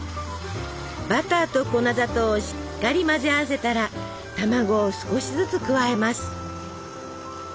バターと粉砂糖をしっかり混ぜ合わせたら卵を少しずつ加えます。